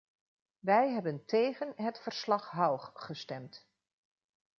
Wij hebben tegen het verslag-Haug gestemd.